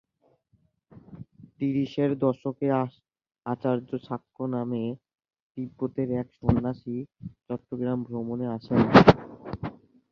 ত্রিশের দশকে আচার্য শাক্য নামে তিব্বতের এক সন্ন্যাসী চট্টগ্রাম ভ্রমণে আসেন।